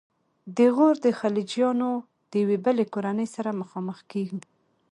د غور د خلجیانو د یوې بلې کورنۍ سره مخامخ کیږو.